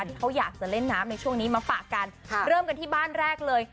ที่เขาอยากจะเล่นน้ำในช่วงนี้มาฝากกันค่ะเริ่มกันที่บ้านแรกเลย